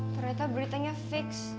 ternyata beritanya fix